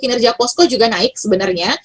kinerja posko juga naik sebenarnya